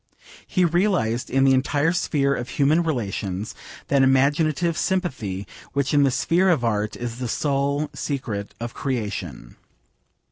He realised in the entire sphere of human relations that imaginative sympathy which in the sphere of Art is the sole secret of creation.